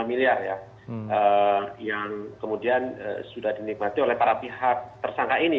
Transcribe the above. jadi kita bisa lihat bahwa ini adalah uang yang sudah diperlukan oleh pihak pihak yang sudah dinikmati oleh pihak pihak tersangka ini